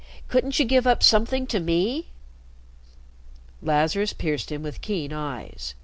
Couldn't you give up something to me?" Lazarus pierced him with keen eyes.